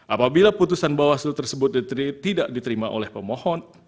apabila putusan bawaslu tersebut diterima tidak diterima oleh pemohon